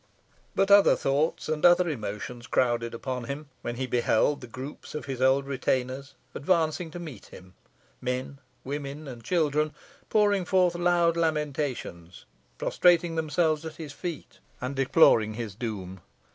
_" But other thoughts and other emotions crowded upon him, when he beheld the groups of his old retainers advancing to meet him: men, women, and children pouring forth loud lamentations, prostrating themselves at his feet, and deploring his doom.